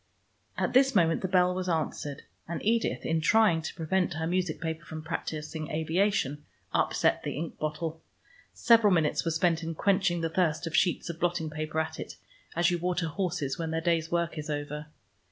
At this moment the bell was answered, and Edith in trying to prevent her music paper from practising aviation, upset the ink bottle. Several minutes were spent in quenching the thirst of sheets of blotting paper at it, as you water horses when their day's work is over.